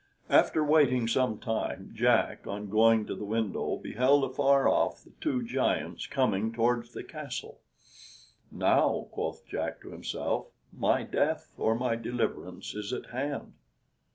After waiting some time Jack, on going to the window beheld afar off the two giants coming towards the castle. "Now," quoth Jack to himself, "my death or my deliverance is at hand."